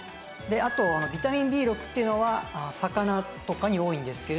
あとビタミンＢ６っていうのは魚とかに多いんですけれども。